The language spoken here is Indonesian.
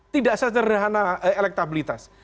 tidak secerah elektabilitas